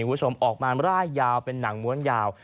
คุณผู้ชมออกมาร่ายยาวเป็นหนังม้วนยาว